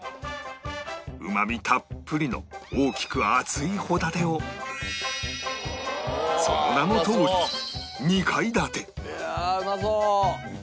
うまみたっぷりの大きく厚いホタテをその名のとおり二階建ていやあうまそう！